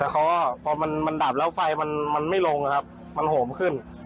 แต่เขาก็พอมันดับแล้วไฟมันไม่ลงครับมันโหมขึ้น